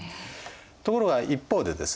ところが一方でですね